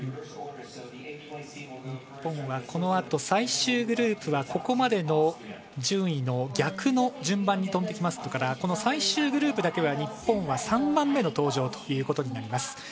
日本は、このあと最終グループはここまでの順位の逆の順番に飛んできますから最終グループだけは日本は３番目の登場ということになります。